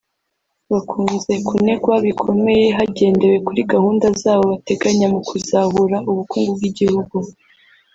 bakunze kunegwa bikomeye hagendewe kuri gahunda zabo bateganya mu kuzahura ubukungu bw’igihugu